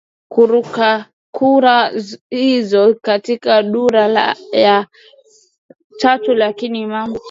kura hizo katika duru ya tatu Lakini mambo